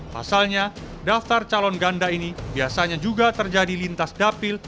pasalnya daftar calon ganda ini biasanya juga terjadi lintas dapil